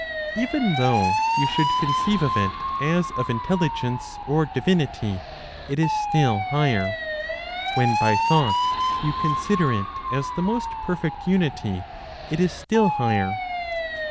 Even though you should conceive of it as of intelligence or divinity, it is still higher. When by thought you consider it as the most perfect unity, it is still higher.